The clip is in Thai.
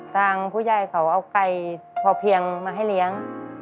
ทางผู้ใหญ่เขาเอาไก่พอเพียงมาให้เลี้ยง